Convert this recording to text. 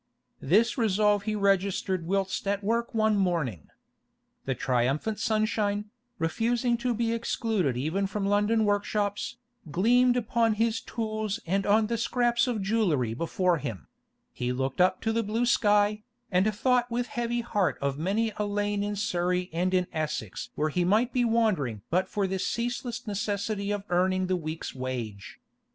This resolve he registered whilst at work one morning. The triumphant sunshine, refusing to be excluded even from London workshops, gleamed upon his tools and on the scraps of jewellery before him; he looked up to the blue sky, and thought with heavy heart of many a lane in Surrey and in Essex where he might be wandering but for this ceaseless necessity of earning the week's wage.